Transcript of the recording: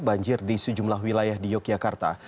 banjir di sejumlah wilayah di yogyakarta